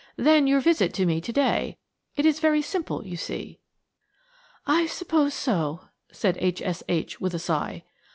Then your visit to me to day–it is very simple, you see." "I suppose so," said H. S. H. with a sigh.